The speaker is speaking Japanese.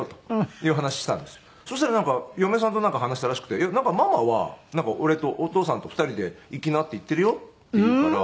そしたらなんか嫁さんと話したらしくてなんかママは俺と「お父さんと２人で行きなって言ってるよ」って言うから。